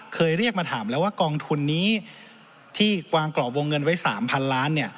เคยเรียกมาถามแล้วว่ากองทุนนี้ที่วางกรอบวงเงินไว้๓๐๐ล้าน